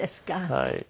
はい。